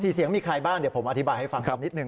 เสียงมีใครบ้างเดี๋ยวผมอธิบายให้ฟังกันนิดนึ